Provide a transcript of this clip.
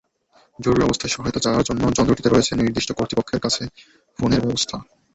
জরুরি অবস্থায় সহায়তা চাওয়ার জন্য যন্ত্রটিতে রয়েছে নির্দিষ্ট কর্তৃপক্ষের কাছে ফোনের ব্যবস্থা।